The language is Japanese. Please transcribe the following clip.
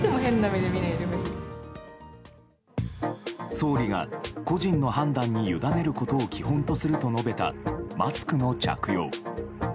総理が個人の判断に委ねることを基本とすると述べたマスクの着用。